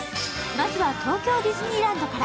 まずは東京ディズニーランドから。